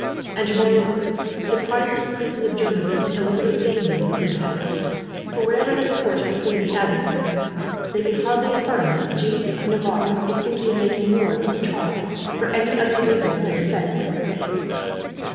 And moreover, the Protestant princes of Germany, and Elizabeth of England would protest; for whatever the court may say of the Admiral, they can hardly affirm that Jeanne of Navarre is thinking of making war against Charles for any other reason than the defence of her faith.